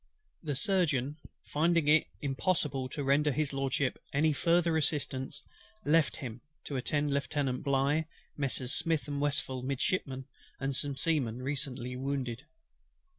THE Surgeon, finding it impossible to render HIS LORDSHIP any further assistance, left him, to attend Lieutenant BLIGH, Messrs. SMITH and WESTPHALL Midshipmen, and some Seamen, recently wounded.